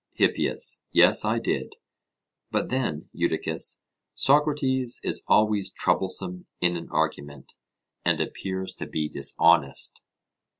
HIPPIAS: Yes, I did; but then, Eudicus, Socrates is always troublesome in an argument, and appears to be dishonest.